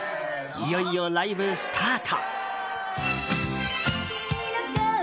いよいよライブスタート。